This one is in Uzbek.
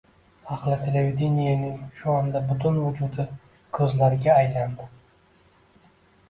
Ahli televideniyening shu onda butun vujudi ko‘zlarga aylandi.